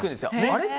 あれ？